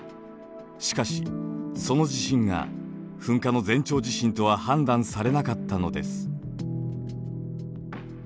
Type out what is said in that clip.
しかしその地震が噴火の前兆地震とは判断されなかったのです。